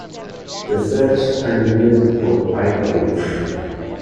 The search continued for five days.